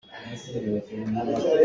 Na manh cang maw?